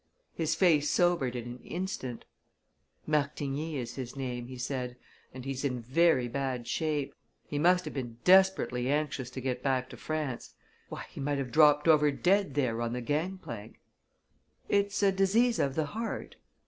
His face sobered in an instant. "Martigny is his name," he said, "and he's in very bad shape. He must have been desperately anxious to get back to France. Why, he might have dropped over dead there on the gang plank." "It's a disease of the heart?"